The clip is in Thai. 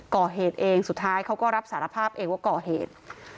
ก่อเหตุเองสุดท้ายเขาก็รับสารภาพเองว่าก่อเหตุ